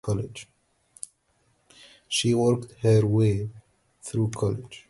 She worked her way through college.